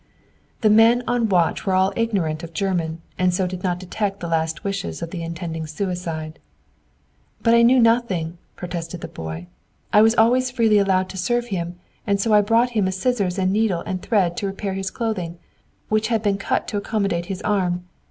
The men on watch were all ignorant of German, and so did not detect the last wishes of the intending suicide. "But I knew nothing," protested the boy. "I was always freely allowed to serve him, and so I brought him a scissors and needle and thread to repair his clothing, which had been cut to accommodate his arm.